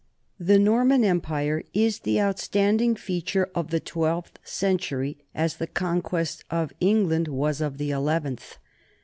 The Norman empire is the outstanding feature of the twelfth century, as the conquest of England was of the eleventh.